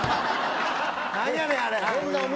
何やねんあれ。